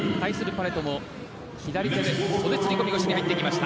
パレトも左手で袖釣り込み腰に入ってきました。